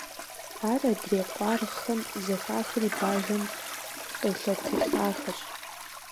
Ар адрей къуаргъхэм зэхахри бажэм къелъэтылӀахэщ.